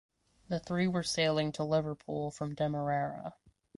The three were sailing to Liverpool from Demerara.